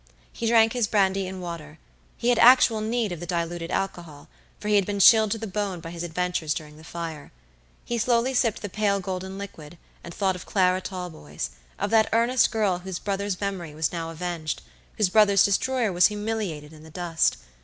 He drank his brandy and water. He had actual need of the diluted alcohol, for he had been chilled to the bone by his adventures during the fire. He slowly sipped the pale golden liquid and thought of Clara Talboys, of that earnest girl whose brother's memory was now avenged, whose brother's destroyer was humiliated in the dust.